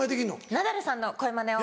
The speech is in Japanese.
ナダルさんの声マネを。